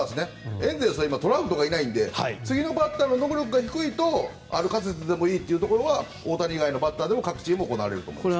エンゼルスは今トラウトがいないので次のバッターの能力が低いと歩かせていいというところは大谷以外のバッターでも各チーム行われることですね。